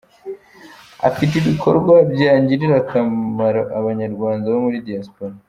afite ibikorwa byagirira akamaro abanyarwanda bo muri Diaspora.